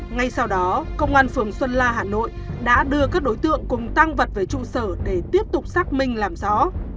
ngay sau đó công an phường xuân la hà nội đã đưa các đối tượng cùng tăng vật về trụ sở để tiếp tục xác minh làm rõ